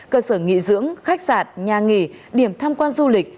cơ sở nghỉ dưỡng khách sạn nhà nghỉ điểm tham quan du lịch